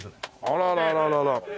あららららら。